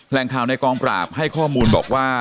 แหล่งข่าวในกองปราบให้ข้อมูลบอกว่า